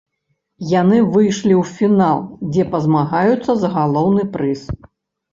Яны выйшлі ў фінал, дзе пазмагаюцца за галоўны прыз.